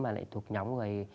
mà lại thuộc nhóm người